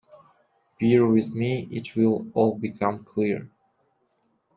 Bear with me; it will all become clear.